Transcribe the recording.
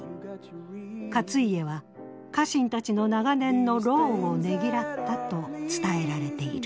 勝家は家臣たちの長年の労をねぎらったと伝えられている。